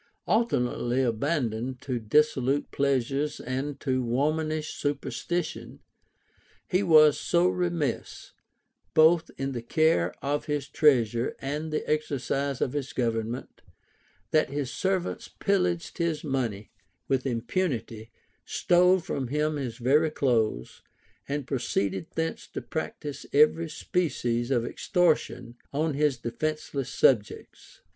Alternately abandoned to dissolute pleasures and to womanish superstition, he was so remiss, both in the care of his treasure and the exercise of his government, that his servants pillaged his money with impunity, stole from him his very clothes, and proceeded thence to practise every species of extortion on his defenceless subjects.